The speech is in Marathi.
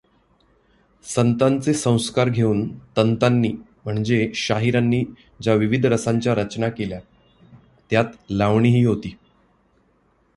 संतांचे संस्कार घेऊन तंतांनी म्हणजे शाहिरांनी ज्या विविध रसांच्या रचना केल्या त्यात लावणीही होती.